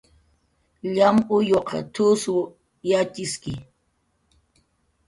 "Llamaq uyuwaq t""usw yatxiski"